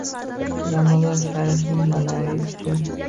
Ramazoni sharifning ma’naviy kuchi...